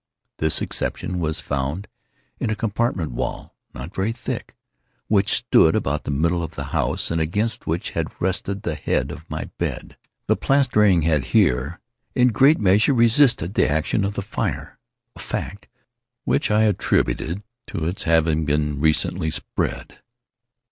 This exception was found in a compartment wall, not very thick, which stood about the middle of the house, and against which had rested the head of my bed. The plastering had here, in great measure, resisted the action of the fire—a fact which I attributed to its having been recently spread.